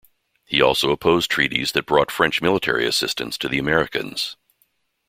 He also opposed treaties that brought French military assistance to the Americans.